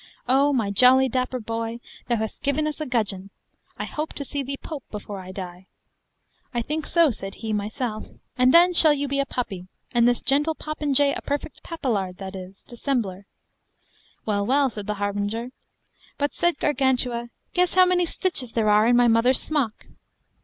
O my jolly dapper boy, thou hast given us a gudgeon; I hope to see thee Pope before I die. I think so, said he, myself; and then shall you be a puppy, and this gentle popinjay a perfect papelard, that is, dissembler. Well, well, said the harbinger. But, said Gargantua, guess how many stitches there are in my mother's smock.